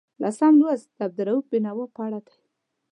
لسم لوست د عبدالرؤف بېنوا په اړه دی.